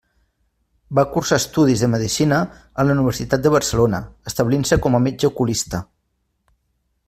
Va cursar estudis de medicina a la Universitat de Barcelona, establint-se com a metge oculista.